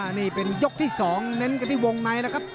โอ้วนี่เป็นยกที่สองเน้นกับที่วงใบนะครับ